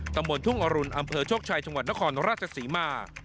ตำบลทุ่งอรุณอำเภอโชคชัยจังหวัดนครราชศรีมา